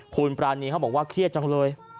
คุณปรานีเขาบอกว่าเครียดจังเลย